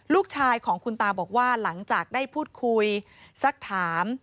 ลูกชายของคุณตาบอกว่าหลังจากได้พูดคุยสักถาม